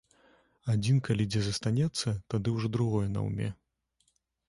Адзін калі дзе застанецца, тады ўжо другое наўме.